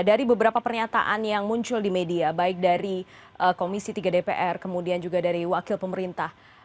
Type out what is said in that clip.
dari beberapa pernyataan yang muncul di media baik dari komisi tiga dpr kemudian juga dari wakil pemerintah